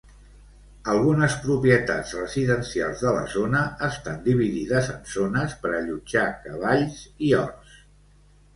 Algunes propietats residencials de la zona estan dividides en zones per allotjar cavalls i horts.